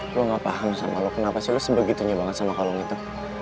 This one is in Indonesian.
gue gak paham sama lo kenapa sih lo sebegitunya banget sama kalung itu